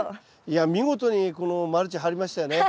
いや見事にこのマルチ張りましたよね。